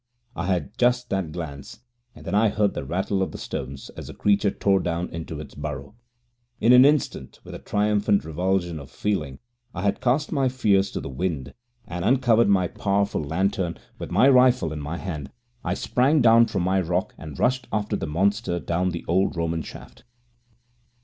I had just that glance, and then I heard the rattle of the stones as the creature tore down into its burrow. In an instant, with a triumphant revulsion of feeling, I had cast my fears to the wind, and uncovering my powerful lantern, with my rifle in my hand, I sprang down from my rock and rushed after the monster down the old Roman shaft.